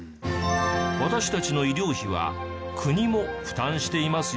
私たちの医療費は国も負担していますよね。